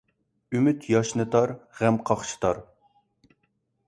ئۈمۈد ياشنىتار، غەم قاقشىتار.